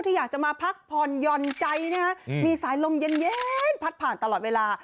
ที่อยากจะมาพักผ่อนหย่อนใจนะฮะมีสายลมเย็นพัดผ่านตลอดเวลา